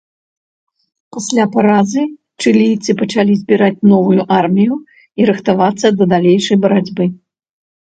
Пасля паразы чылійцы пачалі збіраць новую армію і рыхтавацца да далейшай барацьбы.